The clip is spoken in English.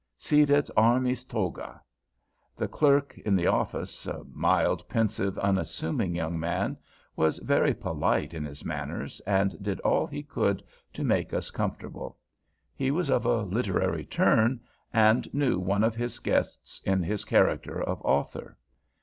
Cedat armis toga. The clerk in the office, a mild, pensive, unassuming young man, was very polite in his manners, and did all he could to make us comfortable. He was of a literary turn, and knew one of his guests in his character of author.